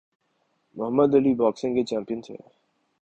محمد Ali boxing کے champion تھے